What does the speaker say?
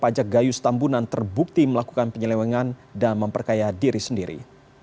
pajak gayus tambunan terbukti melakukan penyelewengan dan memperkaya diri sendiri